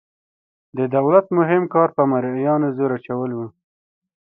د دولت مهم کار په مرئیانو زور اچول وو.